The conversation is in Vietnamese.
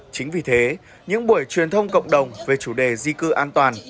chính vì thế những buổi truyền thông cộng đồng về chủ đề di cư an toàn